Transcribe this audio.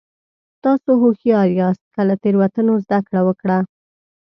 تاسو هوښیار یاست که له تېروتنو زده کړه وکړه.